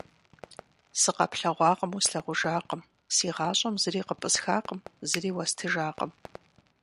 Сыкъэплъэгъуакъым, услъагъужакъым, си гъащӀэм зыри къыпӀысхакъым, зыри уэстыжакъым.